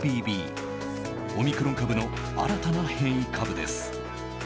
オミクロン株の新たな変異株です。